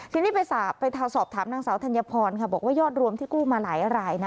ทีนี้ไปสอบถามนางสาวธัญพรค่ะบอกว่ายอดรวมที่กู้มาหลายรายนะ